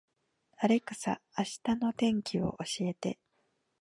アレクサ、明日の天気を教えて